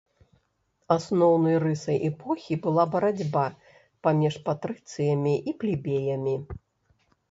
Асноўнай рысай эпохі была барацьба паміж патрыцыямі і плебеямі.